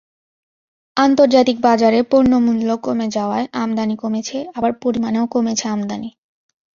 আন্তর্জাতিক বাজারে পণ্যমূল্য কমে যাওয়ায় আমদানি কমেছে, আবার পরিমাণেও কমেছে আমদানি।